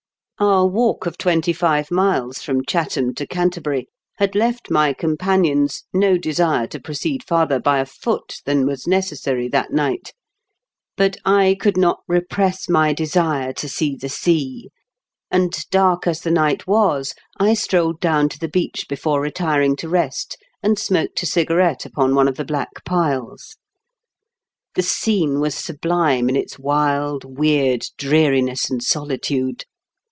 Our walk of twenty live miles from Chatham to Canterbury had left my companions no desire to proceed farther by a foot than was necessary that night ; but I could not repress my desire to see the sea, and, dark as the night was, I strolled down to the beach before retiring to rest, and smoked a cigarette upon, one of the black piles. The scene was sublime in its wild, weird dreariness and solitude.